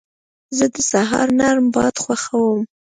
زه د سهار نرم باد خوښوم.